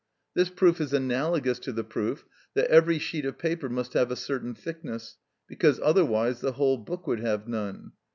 This proof is analogous to the proof that every sheet of paper must have a certain thickness, because otherwise the whole book would have none.